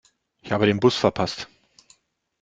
Ich habe den Bus verpasst.